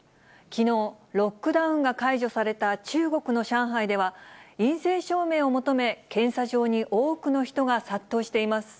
きのう、ロックダウンが解除された中国の上海では、陰性証明を求め、検査場に多くの人が殺到しています。